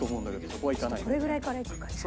これぐらいからいくかじゃあ。